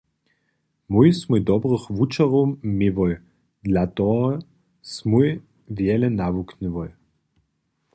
Mój smój dobrych wučerjow měłoj, dla toho smój wjele nawuknyłoj.